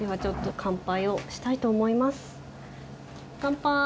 乾杯！